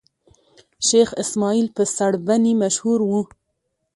شېخ اسماعیل په سړبني مشهور وو.